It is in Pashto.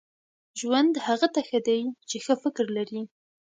• ژوند هغه ته ښه دی چې ښه فکر لري.